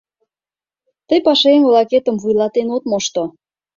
Тый пашаеҥ-влакетым вуйлатен от мошто.